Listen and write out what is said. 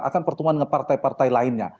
akan pertemuan dengan partai partai lainnya